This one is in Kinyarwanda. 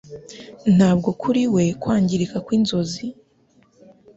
Ntabwo kuri we kwangirika kwinzozi